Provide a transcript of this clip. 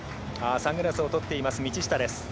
サングラスをとっています道下です。